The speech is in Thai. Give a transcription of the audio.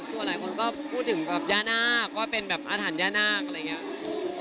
หลายคนก็พูดถึงแบบย่านาคว่าเป็นแบบอาถรรพย่านาคอะไรอย่างนี้